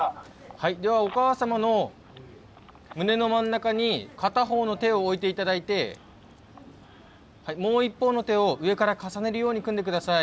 はいではお母様の胸の真ん中に片方の手を置いて頂いてもう一方の手を上から重ねるように組んで下さい。